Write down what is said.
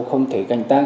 không thể canh tác